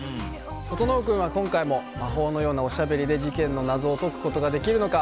整君は今回も魔法のようなおしゃべりで事件の謎を解くことができるのか。